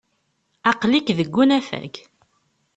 Aql-ik deg unafag.